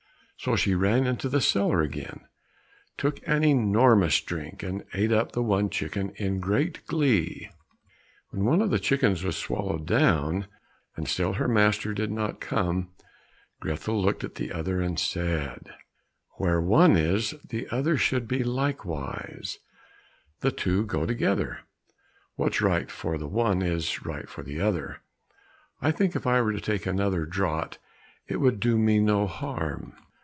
So she ran into the cellar again, took an enormous drink and ate up the one chicken in great glee. When one of the chickens was swallowed down, and still her master did not come, Grethel looked at the other and said, "Where one is, the other should be likewise, the two go together; what's right for the one is right for the other; I think if I were to take another draught it would do me no harm."